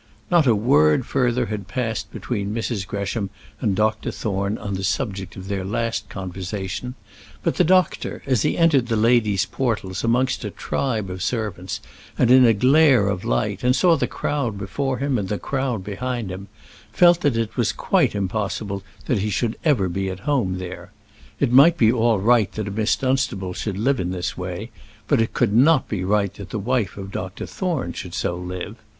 Not a word further had passed between Mrs. Gresham and Dr. Thorne on the subject of their last conversation; but the doctor as he entered the lady's portals amongst a tribe of servants and in a glare of light, and saw the crowd before him and the crowd behind him, felt that it was quite impossible that he should ever be at home there. It might be all right that a Miss Dunstable should live in this way, but it could not be right that the wife of Dr. Thorne should so live.